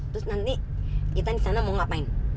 terus nanti kita di sana mau ngapain